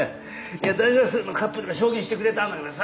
いや大学生のカップルが証言してくれたんだけどさ